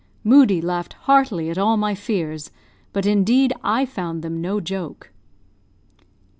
Moodie laughed heartily at all my fears; but indeed I found them no joke.